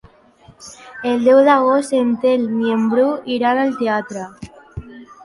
El deu d'agost en Telm i en Bru iran al teatre.